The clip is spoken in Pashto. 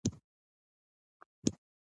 ورته پام سو پر سړک د څو هلکانو